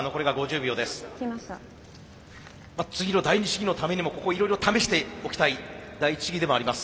次の第二試技のためにもここいろいろ試しておきたい第一試技でもあります。